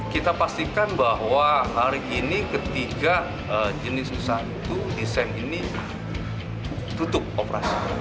kita pastikan bahwa hari ini ketiga jenis usaha itu desain ini tutup operasi